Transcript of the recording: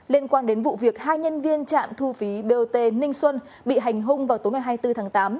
liên quan đến vụ việc hai nhân viên trạm thu phí bot ninh xuân bị hành hung vào tối ngày hai mươi bốn tháng tám